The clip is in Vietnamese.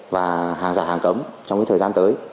và hàng giả hàng cấm trong thời gian tới